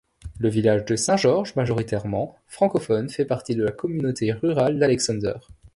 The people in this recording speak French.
Le village de Saint-Georges, majoritairement francophone, fait partie de la communauté rurale d'Alexander.